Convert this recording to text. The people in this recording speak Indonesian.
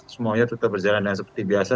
semuanya tetap berjalan dengan seperti biasa